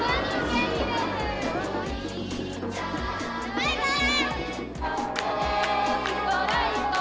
バイバーイ！